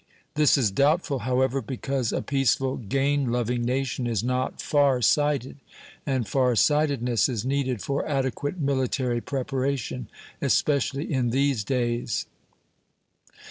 This is doubtful, however, because a peaceful, gain loving nation is not far sighted, and far sightedness is needed for adequate military preparation, especially in these days.